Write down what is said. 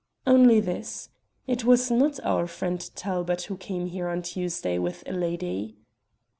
"Only this it was not our friend Talbot who came here on Tuesday with a lady."